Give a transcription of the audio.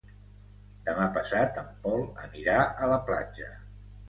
Demà passat en Pol anirà a la platja.